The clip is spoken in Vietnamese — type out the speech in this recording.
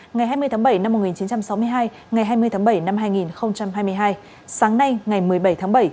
ngày hai mươi tháng bảy năm một nghìn chín trăm sáu mươi hai ngày hai mươi tháng bảy năm hai nghìn hai mươi hai sáng nay ngày một mươi bảy tháng bảy